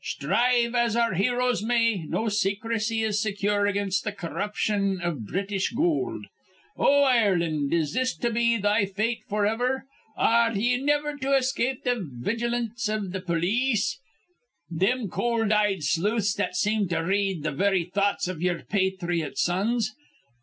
Sthrive as our heroes may, no secrecy is secure against th' corruption iv British goold. Oh, Ireland, is this to be thy fate forever? Ar re ye niver to escape th' vigilance iv th' polis, thim cold eyed sleuths that seem to read th' very thoughts iv ye'er pathriot sons?"